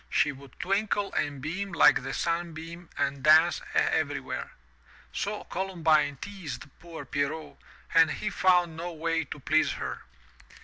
She would twinkle and beam like the sunbeam and dance everywhere. So Columbine teased poor Pierrot and he found no way to please her.